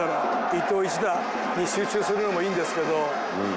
一投一打に集中するのもいいんですけど